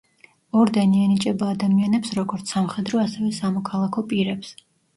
ორდენი ენიჭება ადამიანებს როგორც სამხედრო, ასევე სამოქალაქო პირებს.